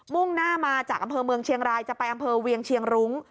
่งหน้ามาจากอำเภอเมืองเชียงรายจะไปอำเภอเวียงเชียงรุ้ง